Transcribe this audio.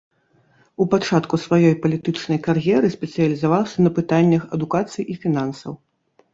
У пачатку сваёй палітычнай кар'еры спецыялізаваўся на пытаннях адукацыі і фінансаў.